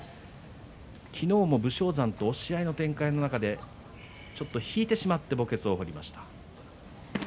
昨日も武将山と押し合いの展開の中でちょっと引いてしまって墓穴を掘りました。